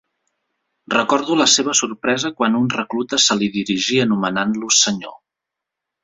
Recordo la seva sorpresa quan un recluta se li dirigí anomenant-lo «senyor».